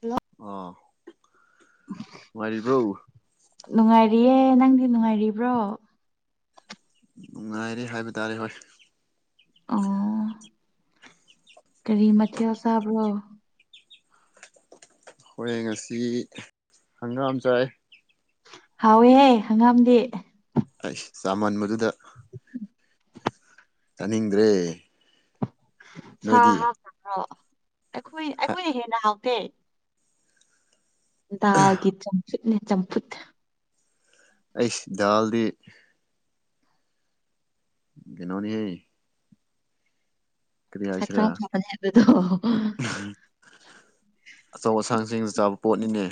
hello ꯑꯣ ꯅꯨꯡꯉꯥꯏꯔꯤꯕ꯭ꯔꯣ ꯅꯨꯡꯉꯥꯏꯔꯤꯌꯦ ꯅꯪꯗꯤ ꯅꯨꯡꯉꯥꯏꯔꯤꯕ꯭ꯔꯣ ꯅꯨꯡꯉꯥꯏꯔꯤ ꯍꯥꯏꯕ ꯇꯥꯔꯦ ꯍꯣꯏ ꯑꯣ ꯀꯔꯤ ꯃꯊꯦꯜ ꯆꯥꯕ꯭ꯔꯣ ꯈꯣꯏ ꯉꯁꯤ ꯍꯪꯒꯥꯝ ꯆꯥꯏ ꯍꯥꯎꯋꯤꯍꯦ ꯍꯪꯒꯥꯝꯗꯤ ꯑꯩꯁ ꯆꯥꯃꯟꯕꯗꯨꯗ ꯆꯥꯅꯤꯡꯗ꯭ꯔꯦ ꯁꯥ ꯅꯣꯏꯗꯤ ꯍꯥꯞꯇꯕ꯭ꯔꯣ ꯑꯩꯈꯣꯏ ꯑꯩꯈꯣꯏꯅ ꯍꯦꯟꯅ ꯍꯥꯎꯇꯦ ꯗꯥꯜꯒꯤ ꯆꯝꯐꯨꯠꯅꯦ ꯆꯝꯐꯨꯠ ꯑꯩꯁ ꯗꯥꯜꯗꯤ ꯀꯩꯅꯣꯅꯤꯍꯦ ꯀꯔꯤ ꯍꯛꯆꯥꯡ ꯍꯥꯏꯁꯤꯔꯥ ꯐꯕꯅꯦ ꯍꯥꯏꯕꯗꯣ ꯑꯆꯧ ꯑꯁꯥꯡꯁꯤꯡꯅ ꯆꯥꯕ ꯄꯣꯠꯅꯤꯅꯦ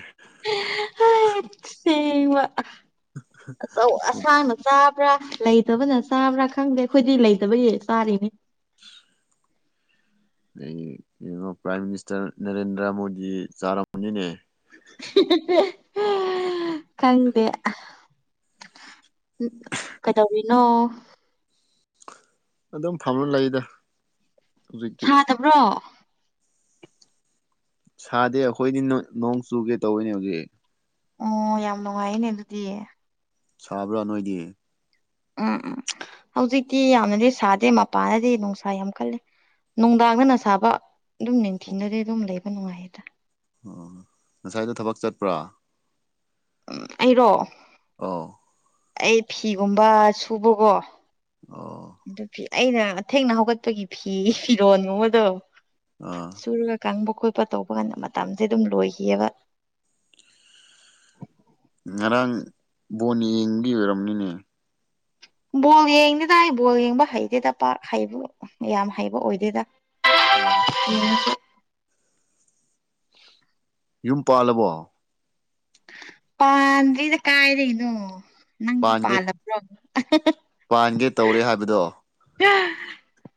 ꯁꯦꯡꯕ ꯑꯆꯧ ꯑꯁꯥꯡꯅ ꯆꯥ ꯥꯕ꯭ꯔꯥ ꯂꯩꯇꯕꯅ ꯆꯥꯕ꯭ꯔꯥ ꯈꯪꯗꯦ ꯑꯩꯈꯣꯏꯗꯤ ꯂꯩꯇꯕꯒꯤ ꯆꯥꯔꯤꯅꯤ [unintelligible] ꯌꯦꯉꯣ ꯄ꯭ꯔꯥꯏꯝ ꯃꯤꯅꯤꯁꯇꯔ ꯅꯔꯦꯟꯗ꯭ꯔ ꯃꯣꯗꯤ ꯆꯥꯔꯝꯒꯅꯤꯅꯦ ꯈꯪꯗꯦ ꯀꯗꯧꯔꯤꯅꯣ ꯑꯗꯨꯝ ꯐꯂ ꯂꯩꯗ ꯍꯧꯖꯤꯛꯇꯤ ꯁꯗꯕ꯭ꯔꯣ ꯁꯥꯗꯦ ꯑꯩꯈꯣꯏꯗꯤ ꯅꯣ ꯅꯣꯡ ꯆꯨꯒꯦ ꯇꯧꯋꯦꯅꯦ ꯍꯧꯖꯤꯛ ꯑꯣ ꯌꯥꯝ ꯅꯨꯡꯉꯥꯏꯌꯦꯅꯦ ꯑꯗꯨꯗꯤ ꯁꯕ꯭ꯔꯥ ꯅꯣꯏꯗꯤ ꯎꯝ ꯍꯧꯖꯤꯛꯇꯤ ꯌꯥꯝꯅꯗꯤ ꯁꯥꯗꯦ ꯃꯄꯥꯟꯗꯗꯤ ꯅꯨꯡꯁꯥ ꯌꯥꯝ ꯀꯜꯂꯦ ꯅꯨꯡꯗꯥꯡꯗꯅ ꯁꯥꯕ ꯑꯗꯨꯝ ꯅꯤꯡꯊꯤꯜꯗꯗꯤ ꯑꯗꯨꯝ ꯂꯩꯕ ꯅꯨꯡꯉꯥꯏꯌꯦꯗ ꯑꯣ ꯉꯁꯥꯏꯗ ꯊꯕꯛ ꯆꯠꯄ꯭ꯔꯥ ꯎꯝ ꯑꯩꯔꯣ ꯑꯧ ꯑꯩ ꯐꯤꯒꯨꯝꯕ ꯁꯨꯕꯀꯣ ꯑꯣ ꯑꯗꯨ ꯐꯤ ꯑꯩꯅꯥ ꯊꯦꯡꯅꯥ ꯍꯧꯒꯠꯄꯒꯤ ꯐꯤꯔꯣꯜ ꯒꯨꯝꯕꯗꯣ ꯑꯥ ꯁꯨꯔꯒ ꯀꯪꯕ ꯈꯣꯠꯄ ꯇꯧꯕ ꯀꯥꯟꯗ ꯃꯇꯝꯁꯦ ꯑꯗꯨꯝ ꯂꯣꯏꯈꯤꯑꯕ ꯉꯔꯥꯡ ꯕꯣꯟ ꯌꯦꯡꯕꯒꯤ ꯑꯣꯏꯔꯝꯅꯤꯅꯦ ꯕꯣꯜ ꯌꯦꯡꯗꯦꯗ ꯑꯩ ꯕꯣꯜ ꯌꯦꯡꯕ ꯍꯩꯇꯦꯗ ꯄꯥꯛ ꯍꯩꯕ ꯌꯥꯝ ꯍꯩꯕ ꯑꯣꯏꯗꯦꯗ ꯑꯣ ꯍꯣ ꯌꯦꯡꯉꯥ ꯁꯨ ꯌꯨꯝ ꯄꯥꯜꯂꯕꯣ ꯄꯥꯥꯟꯗ꯭ꯔꯤꯗ ꯀꯥꯏꯗꯩꯩꯅꯣ ꯅꯪꯗꯤ ꯄꯥꯟꯒꯦ ꯄꯥꯜꯂꯕ꯭ꯔꯣ ꯄꯥꯟꯒꯦ ꯇꯧꯔꯦ ꯍꯥꯏꯕꯗꯣ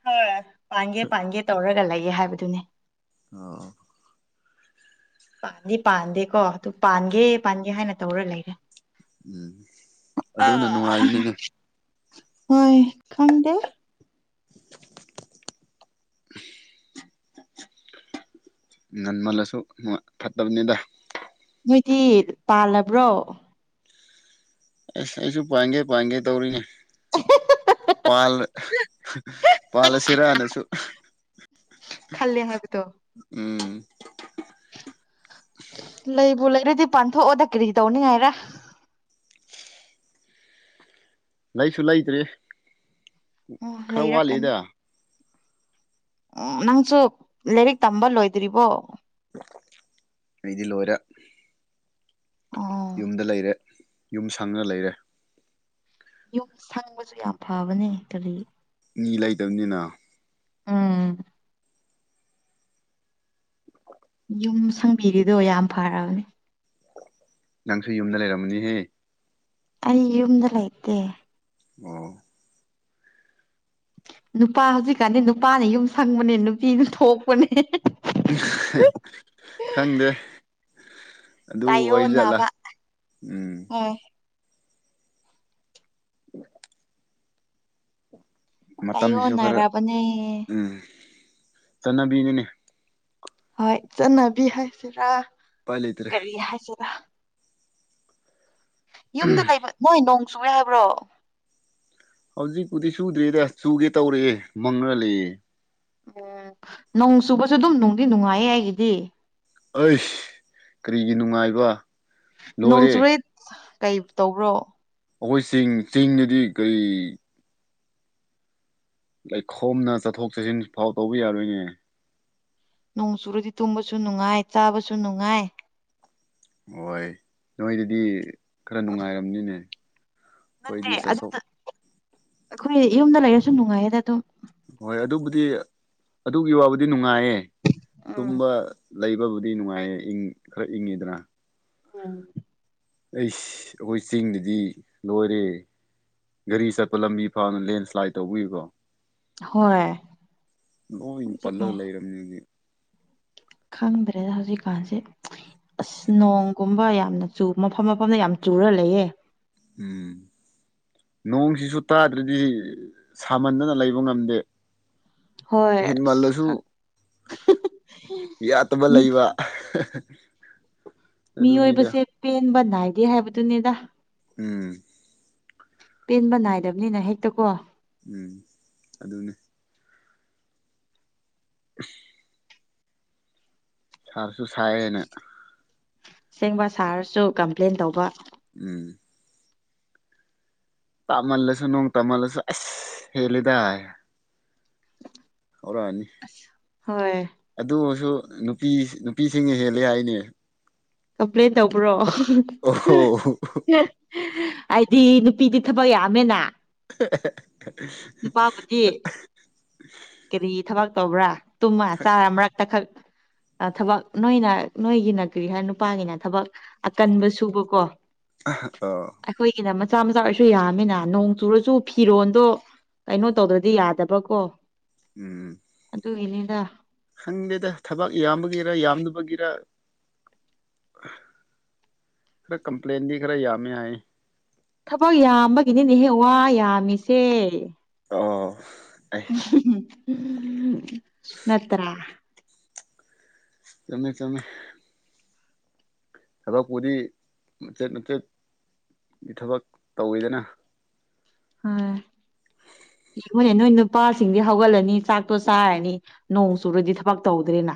ꯍꯣꯏ ꯄꯥꯟꯒꯦ ꯄꯥꯟꯒꯦ ꯇꯧꯔꯒ ꯂꯩꯌꯦ ꯍꯥꯏꯕꯗꯨꯅꯤ ꯑꯣ ꯄꯥꯟꯗꯤ ꯄꯥꯟꯗꯦꯀꯣ ꯑꯗꯨ ꯄꯥꯟꯒꯦ ꯄꯥꯟꯒꯦ ꯍꯥꯏꯅ ꯇꯧꯔ ꯂꯩꯔꯦ ꯎꯝ ꯑꯗꯨꯅ ꯅꯨꯡꯉꯥꯏꯔꯤꯅꯤꯅꯦ ꯍꯣꯏ ꯈꯪꯗꯦ [unintelligible] ꯉꯟꯃꯜꯂꯁꯨ ꯍꯣꯏ ꯐꯠꯇꯕꯅꯤꯗ ꯅꯣꯏꯗꯤ ꯄꯥꯜꯂꯕ꯭ꯔꯣ ꯑꯁ ꯑꯩꯁꯨ ꯄꯥꯟꯒꯦ ꯄꯥꯟꯒꯦ ꯇꯧꯔꯤꯅꯦ ꯄꯥꯜ ꯄꯥꯜꯂꯁꯤꯔꯅꯁꯨ ꯈꯜꯂꯦ ꯍꯥꯏꯕꯗꯣ ꯑꯝ ꯂꯩꯕꯨ ꯂꯩꯔꯗꯤ ꯄꯥꯟꯊꯣꯛꯑꯣꯗ ꯀꯔꯤ ꯇꯧꯅꯤꯉꯥꯏꯔ ꯂꯩꯁꯨ ꯂꯩꯇ꯭ꯔꯤ ꯑꯣ ꯈꯔ ꯋꯥꯠꯂꯤꯗ ꯑꯝ ꯅꯪꯁꯨ ꯂꯥꯏꯔꯤꯛ ꯇꯝꯕ ꯂꯣꯏꯗ꯭ꯔꯤꯕꯣ ꯑꯩꯗꯤ ꯂꯣꯏꯔꯦ ꯑꯣ ꯌꯨꯝꯗ ꯂꯩꯔꯦ ꯌꯨꯝ ꯁꯪꯉ ꯂꯩꯔꯦ ꯌꯨꯝ ꯁꯪꯕꯁꯨ ꯌꯥꯝ ꯐꯕꯅꯦ ꯀꯔꯤ ꯃꯤ ꯂꯩꯇꯕꯅꯤꯅ ꯑꯝ ꯌꯨꯝ ꯁꯪꯕꯤꯔꯤꯗꯣ ꯌꯥꯝ ꯐꯔꯕꯅꯦ ꯅꯪꯁꯨ ꯌꯨꯝꯗ ꯂꯩꯔꯝꯅꯤꯍꯦ ꯑꯩ ꯌꯨꯝꯗ ꯂꯩꯇꯦ ꯑꯣ ꯅꯨꯄꯥ ꯍꯧꯖꯤꯛꯀꯥꯟꯗꯤ ꯅꯨꯄꯥꯅ ꯌꯨꯝ ꯁꯪꯕꯅꯦ ꯅꯨꯄꯤꯅ ꯊꯣꯛꯄꯅꯦ ꯈꯪꯗꯦ ꯑꯗꯨ ꯑꯣꯏꯖꯠꯂ ꯇꯥꯏꯌꯣꯟꯅꯕ ꯑꯝ ꯎꯝ ꯃꯇꯝꯁꯤꯁꯨ ꯈꯔ ꯇꯥꯏꯌꯣꯟꯅꯔꯕꯅꯦ ꯑꯝ ꯆꯠꯅꯕꯤꯅꯤꯅꯦ ꯍꯣꯏ ꯆꯠꯅꯕꯤ ꯍꯥꯏꯁꯤꯔꯥ ꯎꯄꯥꯏ ꯂꯩꯇ꯭ꯔꯦ ꯀꯔꯤ ꯍꯥꯏꯁꯤꯔꯥ ꯌꯨꯝꯗ ꯂꯩꯕ ꯝꫭꯏ ꯅꯣꯡ ꯆꯨꯨꯔꯦ ꯍꯥꯏꯕ꯭ꯔꯣ ꯍꯧꯖꯤꯛꯄꯨꯗꯤ ꯁꯨꯗ꯭ꯔꯤꯗ ꯁꯨꯒꯦ ꯇꯧꯔꯤꯑꯦ ꯃꯪꯉ ꯂꯩꯑꯦ ꯎꯝ ꯅꯣꯡ ꯆꯨꯕꯁꯨ ꯑꯗꯨꯝ ꯅꯨꯡꯗꯤ ꯅꯨꯡꯉꯥꯏꯌꯦ ꯑꯩꯒꯤꯗꯤ ꯑꯩꯁ ꯀꯔꯤꯒꯤ ꯅꯨꯡꯉꯥꯏꯕ ꯂꯣꯏꯔꯦ ꯅꯣꯡꯆꯨꯨꯔꯦꯠ ꯀꯩ ꯇꯧꯕ꯭ꯔꯣ ꯑꯒꫭꯏ ꯆꯤꯡ ꯆꯤꯡꯗꯗꯤ ꯀꯩ ꯂꯩꯈꯣꯝꯅ ꯆꯠꯊꯣꯛ ꯆꯠꯁꯤꯟ ꯐꯥꯎ ꯇꯧꯕ ꯌꯥꯔꯣꯏꯅꯦ ꯅꯣꯡ ꯆꯨꯔꯗꯤ ꯇꯨꯝꯕꯁꯨ ꯅꯨꯡꯉꯥꯏ ꯆꯥꯕꯁꯨ ꯅꯨꯡꯉꯥꯏ ꯍꯣꯏ ꯅꯣꯏꯗꯗꯤ ꯈꯔ ꯅꯨꯡꯉꯥꯏꯔꯝꯅꯤꯅꯦ ꯅꯠꯇꯦ ꯑꯩꯈꯣꯏꯗꯤ ꯆꯠꯊꯣꯛ ꯑꯗꯨꯗ [unintelligible] ꯑꯩꯈꯣꯏ ꯌꯨꯝꯗ ꯂꯩꯔꯁꯨ ꯅꯨꯡꯉꯥꯏꯌꯦꯗ ꯑꯗꯨꯝ ꯍꯣꯏ ꯑꯗꯨꯕꯨꯗꯤ ꯑꯗꯨꯒꯤ ꯋꯥꯕꯨꯗꯤ ꯅꯨꯡꯉꯥꯏꯌꯦ ꯎꯝ ꯇꯨꯝꯕ ꯂꯩꯕꯕꯨꯗꯤ ꯅꯨꯡꯉꯥꯏꯌꯦ ꯏꯪ ꯈꯔ ꯏꯪꯉꯤꯗꯅ ꯎꯝ ꯑꯩꯁ ꯑꯩꯒꫭꯏ ꯆꯤꯡꯗꯗꯤ ꯂꯣꯏꯔꯦ ꯒꯥꯔꯤ ꯆꯠꯄ ꯂꯝꯕꯤ ꯐꯅ ꯂꯦꯟꯁ꯭ꯂꯥꯏꯠ ꯇꯧꯕꯒꯤꯀꫭ ꯍꯣꯏ ꯂꫭꯏꯗ ꯄꯜꯂꯒ ꯍꯧꯖꯤꯛꯀꯥꯟ [unintelligible] ꯈꯪꯗ꯭ꯔꯦꯗ ꯍꯧꯖꯤꯛꯀꯥꯟꯁꯦ ꯑꯁ ꯅꯣꯡ ꯀꯨꯨꯝꯕ ꯌꯥꯝꯅ ꯆꯨ ꯃꯐꯝ ꯃꯐꯝꯗ ꯌꯥꯝꯅ ꯆꯨꯔ ꯂꯩꯌꯦ ꯎꯝ ꯅꯣꯡꯁꯤꯁꯨ ꯇꯥꯗ꯭ꯔꯗꯤ ꯁꯥꯃꯟꯗꯅ ꯂꯩꯕ ꯉꯝꯗꯦ ꯍꯣꯏ ꯑꯁ ꯈꯪ ꯍꯦꯟꯃꯜꯂꯁꯨ ꯌꯥꯠꯇꯕ ꯂꯩꯕ ꯑꯗꯨꯅꯤꯗ ꯃꯤꯑꯣꯏꯕꯁꯦ ꯄꯦꯟꯕ ꯅꯥꯏꯗꯦ ꯍꯥꯏꯕꯗꯨꯅꯤꯗ ꯎꯝ ꯄꯦꯟꯕ ꯅꯥꯏꯗꯕꯅꯤꯅ ꯍꯦꯛꯇ ꯀꯣ ꯎꯝ ꯑꯗꯨꯅꯦ [unintelligible] ꯁꯥꯁꯨ ꯁꯥꯏꯌꯦꯅꯦ ꯁꯦꯡꯕ ꯁꯥꯔꯁꯨ ꯀꯝꯄ꯭ꯂꯦꯟ ꯇꯧꯕ ꯎꯝ ꯇꯥꯃꯜꯂꯁꯨ ꯅꯣꯡ ꯇꯃꯜꯂꯁꯨ ꯑꯁ ꯍꯦꯜꯂꯦꯗꯥꯏ ꯍꯧꯔꯅꯤ ꯍꯣꯏ ꯑꯗꯨ ꯑꯣꯏꯁꯨ ꯅꯨꯄꯤ ꯅꯨꯄꯤꯁꯤꯡꯅ ꯍꯦꯜꯂꯦ ꯍꯥꯏꯅꯦ [unintelligible] ꯇꯧꯕ꯭ꯔꯣ ꯑꯣꯍꯣ ꯍꯥꯏꯗꯤ ꯅꯨꯄꯤꯗꯤ ꯊꯕꯛ ꯌꯥꯝꯃꯦꯅ ꯅꯨꯄꯥꯕꯨꯗꯤ ꯀꯔꯤ ꯊꯕꯛ ꯇꯧꯕ꯭ꯔꯥ ꯇꯨꯝꯃ ꯆꯥꯔ ꯃꯔꯛꯇ ꯈꯛ ꯊꯕꯛ ꯅꯣꯏꯅ ꯅꯣꯏꯒꯤꯅ ꯀꯔꯤ ꯍꯥꯏ ꯅꯨꯄꯥꯒꯤꯅ ꯊꯕꯛ ꯑꯀꯟꯕ ꯁꯨꯕꯀꯣ [unintelligible] ꯑꯩꯈꯣꯏꯒꯤꯅ ꯃꯆꯥ ꯃꯆꯥ ꯑꯣꯏꯔꯁꯨ ꯌꯥꯝꯃꯤꯅ ꯅꯣꯡ ꯆꯨꯔꯁꯨ ꯐꯤꯔꯣꯜꯗꯣ ꯀꯩꯅꯣ ꯇꯧꯗ꯭ꯔꯗꯤ ꯌꯥꯗꯕ ꯀꯣ ꯎꯝ ꯑꯗꯨ ꯒꯤꯅꯤꯗ ꯈꯪꯗꯦꯗ ꯊꯕꯛ ꯌꯥꯝꯕꯒꯤꯔ ꯌꯥꯝꯗꯕꯒꯤꯔ ꯈꯔ ꯀꯝꯄ꯭ꯂꯦꯟꯗꯤ ꯈꯔ ꯌꯥꯝꯃꯦ ꯍꯥꯏ ꯊꯕꯛ ꯌꯥꯝꯕꯒꯤꯅꯤꯅꯦꯍꯦ ꯋꯥ ꯌꯥꯝꯃꯤꯁꯦ ꯑꯣ ꯑꯩ ꯅꯠꯇ꯭ꯔꯥ ꯆꯃꯦ ꯆꯃꯦ ꯊꯕꯛꯄꯨꯗꯤ ꯃꯆꯦꯠ ꯃꯆꯦꯠ ꯒꯤ ꯊꯕꯛ ꯇꯧꯋꯤꯗꯅ ꯌꯦꯡꯉꯣꯏꯅꯦ ꯅꯣꯏ ꯅꯨꯄꯥꯁꯤꯡꯗꯤ ꯍꯧꯒꯠꯂꯅꯤ ꯆꯥꯛꯇꯣ ꯆꯥꯔꯅꯤ ꯅꯣꯡ ꯆꯨꯔꯗꯤ ꯊꯕꯛ ꯇꯧꯗ꯭ꯔꯦꯅ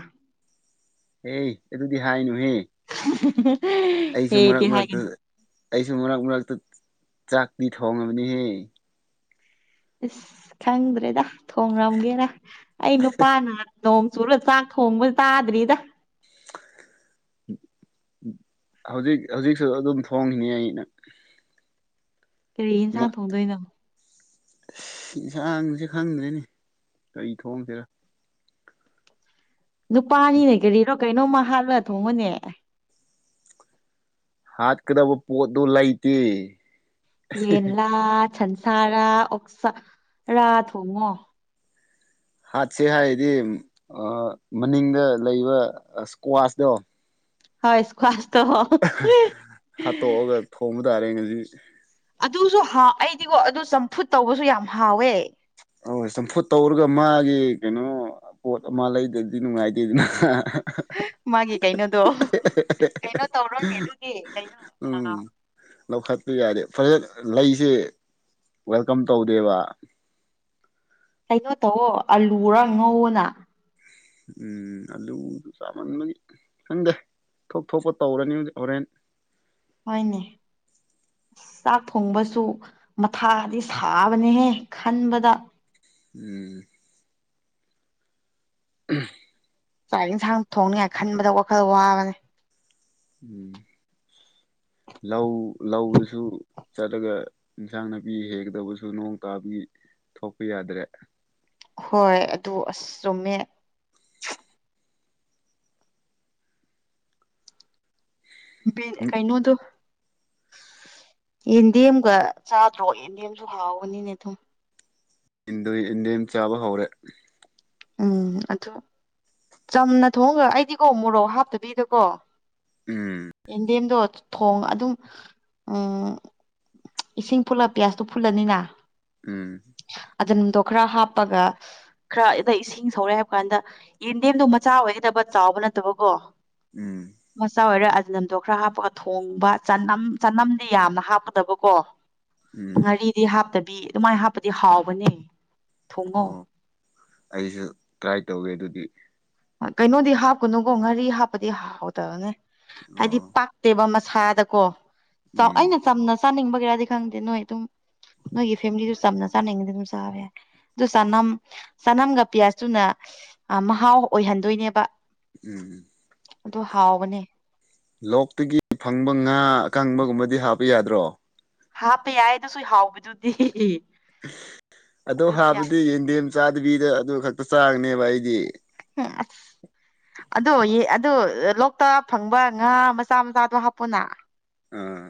ꯍꯦ ꯑꯗꯨꯗꯤ ꯍꯥꯏꯅꯨꯍꯦ [unintelligible] ꯑꯩꯁꯨ ꯍꯦꯗꯤ ꯃꯔꯛ ꯃꯔꯛꯇ ꯍꯥꯏꯒꯅꯤ ꯑꯩꯁꯨ ꯃꯔꯛ ꯃꯔꯛꯇ ꯆꯥꯛꯇꯤ ꯊꯣꯡꯉꯕꯅꯤꯍꯦ ꯏꯁꯁ ꯈꯪꯗ꯭ꯔꯦꯗ ꯊꯣꯡꯂꯝꯒꯦꯔ ꯑꯩ ꯅꯨꯄꯥꯅ ꯅꯣꯡ ꯆꯨꯔ ꯆꯥꯛ ꯊꯣꯡꯕ ꯆꯥꯗꯔꯤꯗ ꯍꯧꯖꯤꯛ ꯍꯧꯖꯤꯛꯁꯨ ꯑꯗꯨꯝ ꯊꯣꯡꯉꯤꯅꯤ ꯑꯩꯅ ꯀꯔꯤ ꯏꯟꯁꯥꯡ ꯊꯣꯡꯗꯣꯏꯅꯣ ꯌꯦꯟꯁꯥꯡꯁꯦ ꯈꯪꯗ꯭ꯔꯦꯅꯤ ꯀꯔꯤ ꯊꯣꯡꯁꯤꯔꯥ ꯅꯨꯄꯥꯅꯤꯅꯦ ꯀꯔꯤꯔꯣ ꯀꯩꯅꯣꯝꯃ ꯍꯥꯜꯂꯣ ꯊꯣꯡꯉꯣꯅꯦ ꯍꯥꯠꯀꯗꯕ ꯄꯣꯠꯇꯨ ꯂꯩꯇꯦ ꯌꯦꯟꯂꯥ ꯁꯟꯁꯥꯔꯥ ꯑꯣꯛꯁꯥꯔꯥ ꯊꯣꯡꯉꯣ ꯍꯥꯠꯁꯦ ꯍꯥꯏꯗꯤ ꯃꯅꯤꯡꯗ ꯂꯩꯕ ꯏꯁꯀ꯭ꯋꯥꯁꯇꯣ ꯍ ꯏꯁꯀ꯭ꯋꯥꯁꯇ ꯍꯣ ꯍꯥꯠꯇꯣꯛꯑꯒ ꯊꯣꯡꯕ ꯇꯥꯔꯦ ꯉꯖꯤ ꯑꯗꯨꯁꯨꯍ ꯑꯩꯗꯤꯀꯣ ꯑꯗꯨ ꯆꯝꯐꯨꯠ ꯇꯧꯕꯁꯨ ꯌꯥꯝ ꯍꯥꯎꯋꯦ ꯑ ꯆꯝꯐꯨꯠ ꯇꯧꯔꯒ ꯃꯥꯒꯤ ꯀꯩꯅꯣ ꯄꯣꯠ ꯑꯃ ꯂꯩꯗꯗꯤ ꯅꯨꯡꯉꯥꯏꯇꯦꯗꯅ ꯃꯥꯒꯤ ꯀꯩꯅꯣꯗꯣ ꯀꯩꯅꯣ ꯇꯧꯔꯣꯅꯦ ꯑꯗꯨꯗꯤ ꯀꯩꯅꯣ ꯑ ꯎꯝ ꯂꯧꯈꯠꯄ ꯌꯥꯗꯦ ꯐꯖꯅ ꯂꯩꯁꯦ ꯋꯦꯜꯀꯝ ꯇꯧꯗꯦꯕ ꯀꯩꯅꯣ ꯇꯧꯑꯣ ꯑꯂꯨꯔ ꯉꯧꯅ ꯎꯝ ꯑꯂꯨ ꯆꯃꯥꯟꯕꯒꯤ ꯈꯪꯗꯦ ꯊꯣꯛ ꯊꯣꯛꯄ ꯇꯧꯔꯅꯤ ꯍꯣꯔꯦꯟ ꯋꯥꯏꯅꯦ ꯆꯥꯛ ꯊꯣꯡꯕꯁꯨ ꯃꯊꯥꯗꯤ ꯁꯥꯕꯅꯦꯍꯦ ꯈꯟꯕꯗ ꯎꯝ [inaudible] ꯆꯥꯛ ꯌꯦꯟꯁꯥꯡ ꯊꯣꯡꯅꯤꯉꯥꯏ ꯈꯟꯕꯗ ꯋꯥꯈꯜ ꯋꯥꯕꯅꯦ ꯎꯝ ꯂꯧ ꯂꯧꯗꯨꯁꯨ ꯆꯠꯂꯒ ꯏꯟꯁꯥꯡ ꯅꯥꯄꯤ ꯍꯦꯛꯒꯗꯕꯁꯨ ꯅꯣꯡ ꯇꯥꯕꯒꯤ ꯊꯣꯛꯄ ꯌꯥꯗ꯭ꯔꯦ ꯍꯣꯏ ꯑꯗꯨ ꯑꯁ ꯆꯨꯝꯃꯦ ꯕꯤꯟ ꯀꯩꯅꯣ ꯑꯗꯨ ꯌꯦꯟꯗꯦꯝꯒ ꯆꯥꯗ꯭ꯔꯣ ꯌꯦꯟꯗꯦꯝꯁꯨ ꯍꯥꯎꯕꯅꯤꯅꯦ ꯑꯗꯨꯝ ꯏꯟꯗꯔꯤ ꯏꯟꯗꯦꯝ ꯆꯥꯕ ꯍꯧꯔꯦ ꯎꯝ ꯑꯗꯨ ꯆꯝꯅ ꯊꯣꯡꯒ ꯑꯩꯗꯤꯀꯣ ꯃꯣꯔꯣꯛ ꯍꯥꯞꯇꯕꯤꯗꯀꯣ ꯎꯝ ꯌꯦꯟꯗꯦꯝꯗꯣ ꯊꯣꯡ ꯑꯗꯨꯝ ꯎꯝ ꯏꯁꯤꯡ ꯐꯨꯜꯂ ꯄꯤꯌꯥꯁꯇꯣ ꯐꯨꯜꯂꯅꯤꯅ ꯎꯝ ꯑꯗꯣ [unintelligible] ꯈꯔ ꯍꯥꯞꯄꯒ ꯈꯔ ꯗ ꯏꯁꯤꯡ ꯁꯧꯔꯦ ꯍꯥꯏꯕ ꯀꯥꯟꯗ ꯌꯦꯟꯗꯦꯝꯗꯣ ꯃꯆꯥ ꯑꯣꯏꯒꯗꯕ ꯆꯥꯎꯕ ꯅꯠꯇꯕꯀꯣ ꯎꯝ ꯃꯆꯥ ꯑꯣꯏꯔ ꯑꯖꯤꯅꯝꯗꯣ ꯈꯔ ꯍꯥꯞꯄꯒ ꯊꯣꯡꯕ ꯆꯅꯝ ꯆꯅꯝꯗꯤ ꯌꯥꯝꯅ ꯍꯥꯞꯀꯗꯕꯀꯣ ꯎꯝ ꯉꯥꯔꯤꯗꯤ ꯍꯥꯞꯇꯕꯤ ꯑꯗꯨꯃꯥꯏ ꯍꯥꯞꯄꯗꯤ ꯍꯥꯎꯕꯅꯦ ꯊꯣꯡꯉꯣ ꯑꯣ ꯑꯩꯁꯨ ꯇ꯭ꯔꯥꯏ ꯇꯧꯒꯦ ꯑꯗꯨꯗꯤ ꯀꯩꯅꯣꯗꯤ ꯍꯥꯞꯀꯨꯅꯨꯀꯣ ꯉꯥꯔꯤ ꯍꯥꯞꯄꯗꯤ ꯍꯥꯎꯗꯕꯅꯦ ꯍꯥꯏꯗꯤ ꯑꯣ ꯄꯥꯛꯇꯦꯕ ꯃꯁꯥꯗꯀꯣ ꯆꯥꯎ ꯎꯝ ꯑꯩꯅ ꯆꯝꯅ ꯆꯥꯅꯤꯡꯕꯒꯤꯔꯗꯤ ꯈꯪꯗꯦ ꯅꯣꯏ ꯑꯗꯨꯝ ꯅꯣꯏꯒꯤ ꯐꯦꯃꯤꯂꯤꯁꯨ ꯆꯝꯅ ꯆꯥꯅꯤꯡꯗꯤ ꯑꯗꯨꯝ ꯆꯥꯕ ꯌꯥꯏ ꯑꯗꯨ ꯆꯅꯝ ꯆꯅꯝꯒ ꯄꯤꯌꯥꯁꯇꯨꯅ ꯑꯥ ꯃꯍꯥꯎ ꯑꯣꯏꯍꯟꯗꯣꯏꯅꯦꯕ ꯎꯝ ꯎꯝ ꯑꯗꯨ ꯍꯥꯎꯕꯅꯦ ꯂꯣꯛꯇꯒꯤ ꯐꯪꯕ ꯉꯥ ꯑꯀꯪꯕꯒꯨꯝꯕꯗꯤ ꯍꯥꯞꯄ ꯌꯥꯗ꯭ꯔꯣ ꯍꯥꯞꯄ ꯌꯥꯏ ꯑꯗꯨꯁꯨ ꯍꯥꯎꯕꯗꯨꯗꯤ ꯑꯗꯣ ꯑꯗꯨꯁꯨ ꯌꯥꯏ ꯍꯥꯞꯕꯗꯤ ꯌꯦꯟꯗꯦꯝ ꯆꯥꯗꯕꯤꯗ ꯑꯗꯨ ꯈꯛꯇ ꯆꯥꯒꯅꯦꯕ ꯑꯩꯗꯤ [unintelligible] ꯑꯗꯣ ꯌꯦ ꯑꯗꯣ ꯂꯣꯛꯇ ꯐꯪꯕ ꯉꯥ ꯃꯆꯥ ꯃꯆꯥꯗꯣ ꯍꯥꯞꯄꯣꯅ ꯑꯥ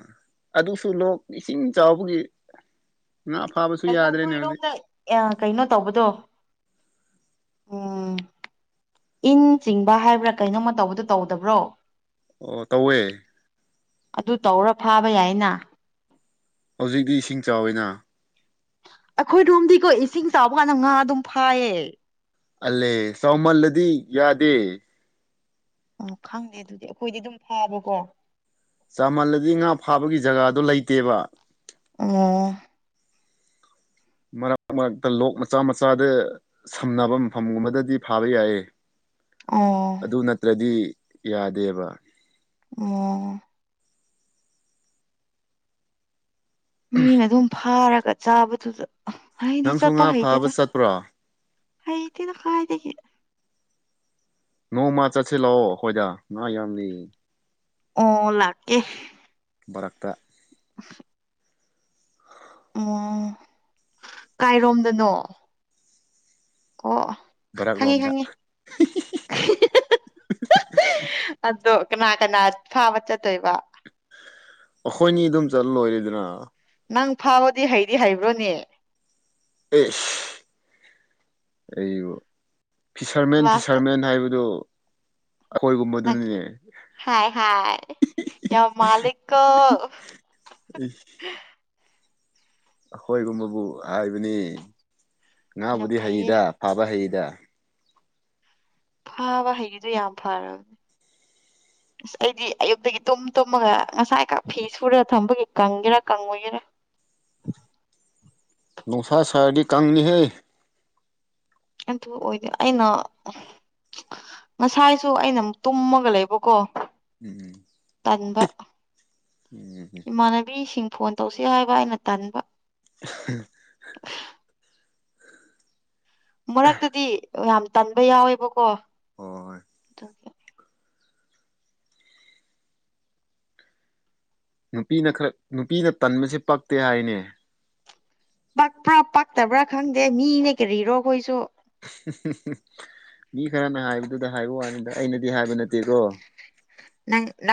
ꯑꯗꯨꯁꯨ ꯂꯣꯛ ꯏꯁꯤꯡ ꯆꯥꯎꯕꯒꯤ ꯉꯥ ꯐꯥꯕꯁꯨ ꯌꯥꯗ꯭ꯔꯦꯅꯦ ꯍꯧꯖꯤꯛ ꯌꯥ ꯀꯩꯅꯣ ꯇꯧꯕꯗꯣ ꯎꯝ [unintelligible] ꯏꯟ ꯆꯤꯡꯕ ꯍꯥꯏꯕ꯭ꯔꯥ ꯀꯩꯅꯣꯝꯃ ꯇꯧꯕꯗꯣ ꯇꯧꯗꯕ꯭ꯔꯣ ꯑꯣ ꯇꯧꯋꯦ ꯑꯗꯨ ꯇꯧꯔ ꯐꯥꯕ ꯌꯥꯏꯅ ꯍꯧꯖꯤꯛꯇꯤ ꯏꯁꯤꯡ ꯆꯥꯎꯏꯅ ꯑꯩꯈꯣꯏꯔꯣꯝꯗꯤꯀꯣ ꯏꯁꯤꯡ ꯆꯥꯎꯕ ꯀꯥꯟꯗ ꯉꯥ ꯑꯗꯨꯝ ꯐꯥꯏꯌꯦ ꯑꯂꯦ ꯆꯥꯎꯃꯜꯂꯗꯤ ꯌꯥꯗꯦ ꯑꯣ ꯈꯪꯗꯦ ꯑꯗꯨꯗꯤ ꯑꯩꯈꯣꯏꯗꯤ ꯑꯗꯨꯝ ꯐꯥꯕꯀꯣ ꯆꯥꯃꯜꯂꯗꯤ ꯉꯥ ꯐꯥꯕꯒꯤ ꯖꯒꯥꯗꯣ ꯂꯩꯇꯦꯕ ꯑꯣ ꯃꯔꯛ ꯃꯔꯛꯇ ꯂꯣꯛ ꯃꯆꯥ ꯃꯆꯥꯗ ꯁꯝꯅꯕ ꯃꯐꯝꯒꯨꯝꯕꯗꯗꯤ ꯐꯥꯕ ꯌꯥꯏꯌꯦ ꯑꯣ ꯑꯗꯨ ꯅꯠꯇ꯭ꯔꯗꯤ ꯌꯥꯗꯦꯕ ꯑꯣ ꯃꯤꯅ ꯑꯗꯨꯝ ꯐꯥꯔꯒ ꯆꯥꯕꯗꯨꯗ ꯍꯩꯗꯤ ꯅꯪꯁꯨ ꯉꯥ ꯆꯠꯄ ꯐꯥꯕ ꯍꯩꯇꯦꯗ ꯆꯠꯄ꯭ꯔꯣ ꯍꯩꯇꯦꯗ ꯀꯔꯥꯏꯗꯒꯤ ꯅꯣꯡꯃ ꯆꯠꯁꯤꯂꯥꯛꯑꯣ ꯑꯩꯈꯣꯏꯗ ꯉꯥ ꯌꯥꯝ ꯂꯩꯌꯦ ꯑꯣ ꯂꯥꯛꯀꯦ ꯃꯔꯛꯇ [unintelligible] ꯑꯣ ꯀꯥꯏꯔꯣꯝꯗꯅꯣ ꯀꯣ ꯈꯪꯉꯦ ꯕꯔꯛꯔꯣꯝꯗ ꯈꯪꯉꯦ [unintelligible] ꯑꯗꯣ ꯀꯅꯥ ꯀꯅꯥ ꯐꯥꯕ ꯆꯠꯇꯣꯏꯕ ꯑꯈꯣꯏꯅꯤ ꯑꯗꯨꯝ ꯆꯠꯂ ꯂꯣꯏꯔꯦꯗꯅ ꯅꯪ ꯐꯥꯕꯗꯤ ꯍꯩꯗꯤ ꯍꯩꯕ꯭ꯔꯣꯅꯦ ꯑꯦꯁ ꯑꯩꯕꯨ ꯐꯤꯁꯔꯃꯦꯟ ꯂꯥꯁꯇ ꯐꯤꯁꯔꯃꯦꯟ ꯍꯥꯏꯕꯗꯨ ꯑꯩꯈꯣꯏꯒꯨꯝꯕꯗꯨꯅꯤꯅꯦ ꯍꯥꯏ ꯍꯥꯏ ꯌꯥꯝ ꯃꯥꯜꯂꯤꯀꯣ ꯏ ꯑꯈꯣꯏꯒꯨꯝꯕꯕꯨ ꯍꯥꯏꯕꯅꯤ ꯌꯥꯝ ꯉꯥꯕꯨꯗꯤ ꯐꯩꯌꯦ ꯍꯩꯗ ꯐꯥꯕ ꯍꯩꯗ ꯐꯥꯕ ꯍꯩꯒꯤꯗꯨ ꯌꯥꯝ ꯐꯥꯔꯝ [inaudible] ꯑꯁ ꯑꯩꯗꯤ ꯑꯌꯨꯛꯇꯒꯤ ꯇꯨꯝ ꯇꯨꯝꯃꯒ ꯉꯁꯥꯏ ꯈꯛ ꯐꯤ ꯁꯨꯔꯒ ꯊꯝꯕꯒꯤ ꯀꯪꯒꯦꯔꯥ ꯀꯪꯉꯣꯏꯒꯦꯔꯥ ꯅꯨꯡꯁꯥ ꯁꯥꯔꯗꯤ ꯀꯪꯅꯤꯍꯦ ꯑꯗꯨ ꯑꯣꯏꯗꯤ ꯑꯩꯅ ꯉꯁꯥꯏꯁꯨ ꯑꯩꯅ ꯃꯨꯛ ꯇꯨꯝꯃꯒ ꯂꯩꯕꯀꯣ ꯑꯝ ꯇꯟꯕ ꯑꯝ ꯏꯃꯥꯟꯅꯕꯤꯁꯤꯡ ꯐꯣꯟ ꯇꯧꯁꯤ ꯍꯥꯏꯕ ꯑꯩꯅ ꯇꯟꯕ [unintelligible] [inaudible] ꯃꯔꯛꯇꯗꯤ ꯌꯥꯝ ꯇꯟꯕ ꯌꯥꯎꯋꯦꯕꯀꯣ ꯍꯣ ꯍꯣꯏ ꯑꯗꯨꯒꯤ ꯅꯨꯄꯤꯅ ꯈꯔ ꯅꯨꯄꯤꯅ ꯇꯟꯕꯁꯦ ꯄꯛꯇꯦ ꯍꯥꯏꯅꯦ ꯄꯥꯛꯄ꯭ꯔꯥ ꯄꯛꯇꯕ꯭ꯔꯥ ꯈꯪꯗꯦ ꯃꯤꯅꯦ ꯀꯔꯤꯔꯣ ꯑꯩꯈꯣꯏꯁꯨ ꯃꯤ ꯈꯔꯅ ꯍꯥꯏꯕꯗꯨꯗ ꯍꯥꯏꯕ ꯋꯥꯅꯤꯗ ꯑꯩꯅꯗꯤ ꯍꯥꯏꯕ ꯅꯠꯇꯦꯀꯣ ꯅꯪ